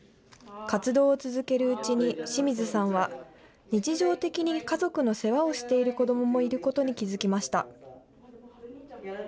活動を続けるうちに清水さんは日常的に家族の世話をしている子どももいることに気付きました。